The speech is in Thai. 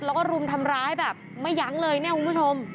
แล้วก็รุมทำร้ายแบบไม่ยั้งเลยเนี่ยคุณผู้ชม